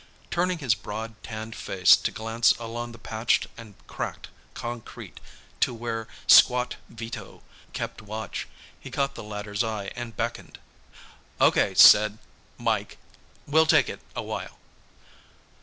Turning his broad, tanned face to glance along the patched and cracked concrete to where squat Vito kept watch, he caught the latter's eye and beckoned. "Okay, Sid Mike. We'll take it a while."